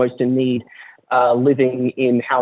orang orang yang paling berperlu